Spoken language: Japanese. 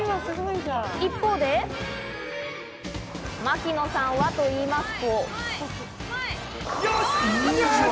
一方で、槙野さんはと言いますと。